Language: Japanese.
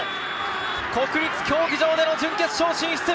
国立競技場での準決勝進出。